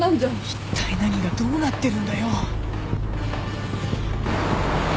いったい何がどうなってるんだよ。